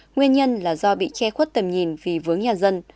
nguyên nhân là do bị che khuất tầm nhìn vì vướng nhà dân